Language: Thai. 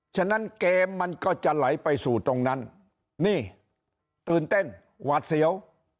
ฉะนั้นเกมมันก็จะไหลไปสู่ตรงนั้นนี่ตื่นเต้นหวาดเสียว